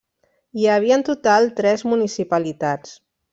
Hi havia en total tres municipalitats.